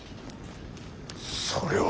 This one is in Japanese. それは。